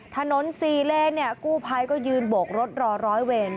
ถนน๔เลนเนี่ยกู้ภัยก็ยืนโบกรถรอร้อยเวร